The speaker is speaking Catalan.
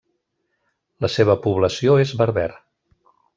La seva població és berber.